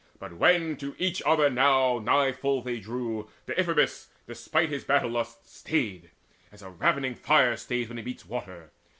But when to each other now full nigh they drew, Deiphobus, despite his battle lust, Stayed, as a ravening fire stays when it meets Water.